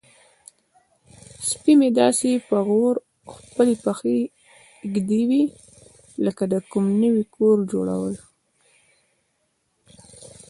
سپی مې داسې په غور خپلې پښې ږدوي لکه د کوم نوي کور جوړول.